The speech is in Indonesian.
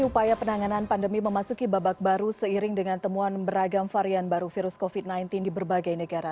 upaya penanganan pandemi memasuki babak baru seiring dengan temuan beragam varian baru virus covid sembilan belas di berbagai negara